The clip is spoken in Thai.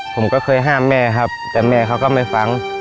ผมก็เคยห้ามแม่ครับแต่แม่เขาก็ไม่ฟัง